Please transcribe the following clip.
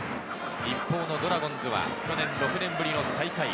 一方のドラゴンズは去年、６年ぶりの最下位。